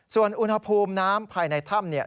ส่วนอุณหภูมิน้ำภายในถ้ำ